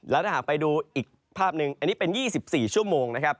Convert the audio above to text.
แล้วถ้าหากไปดูอีกภาพหนึ่งอันนี้เป็น๒๔ชั่วโมงนะครับ